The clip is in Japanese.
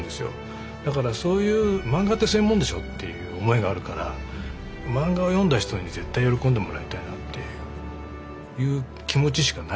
だから漫画ってそういうものでしょっていう思いがあるから漫画を読んだ人に絶対喜んでもらいたいなっていう気持ちしかないんですよ。